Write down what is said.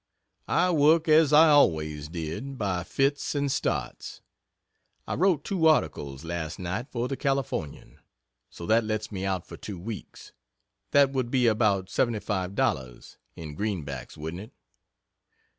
I work as I always did by fits and starts. I wrote two articles last night for the Californian, so that lets me out for two weeks. That would be about seventy five dollars, in greenbacks, wouldn't it?